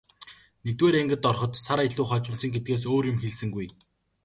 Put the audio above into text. Нэгдүгээр ангид ороход сар илүү хожимдсон гэдгээс өөр юм хэлсэнгүй.